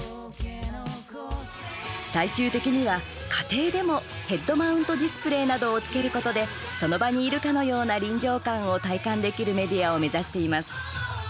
最終的には、家庭でもヘッドマウントディスプレーなどをつけることでその場にいるかのような臨場感を体感できるメディアを目指しています。